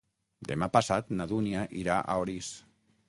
Demà passat na Dúnia irà a Orís.